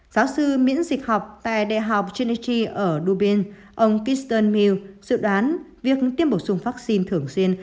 giáo sư miễn dịch học tại đại học trinity ở dubin ông kirsten mill dự đoán việc tiêm bổ sung vắc xin thường xuyên